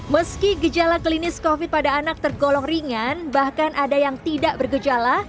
meski gejala klinis covid pada anak tergolong ringan bahkan ada yang tidak bergejala